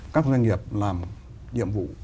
các doanh nghiệp làm nhiệm vụ